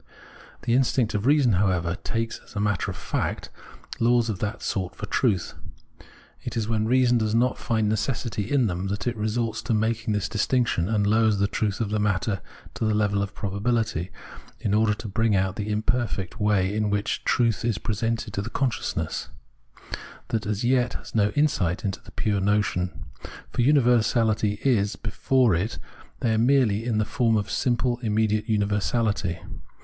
The instinct of reason, however, takes, as a matter of fact, laws of that sort for truth. It is when reason does not find necessity in them, that it resorts to making this distinction, and lowers the truth of the matter to the level of probabihty, in order to bring out the imperfect way in which truth is presented to the consciousness that as yet has no insight into the pure notion ; for universahty is before it there merely iu the form of simple immediate universality.